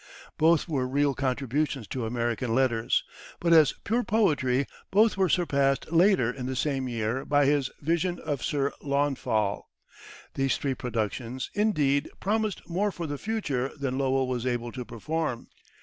Both were real contributions to American letters, but as pure poetry both were surpassed later in the same year by his "Vision of Sir Launfal." These three productions, indeed, promised more for the future than Lowell was able to perform.